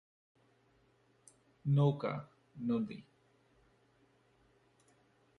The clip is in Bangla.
নৌকা, নদী।